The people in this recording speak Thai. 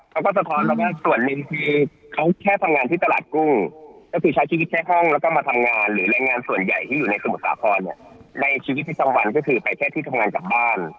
สะท้อนมาว่าส่วนหนึ่งคือเขาแค่ทำงานที่ตลาดกุ้งก็คือใช้ชีวิตแค่ห้องแล้วก็มาทำงานหรือแรงงานส่วนใหญ่ที่อยู่ในสมุทรสาครเนี่ยในชีวิตประจำวันก็คือไปแค่ที่ทำงานกลับบ้าน